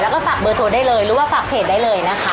แล้วก็ฝากเบอร์โทรได้เลยหรือว่าฝากเพจได้เลยนะคะ